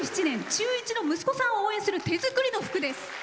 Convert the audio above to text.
中１の息子さんを応援する手作りの服です。